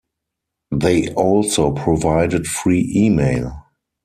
They also provided free email.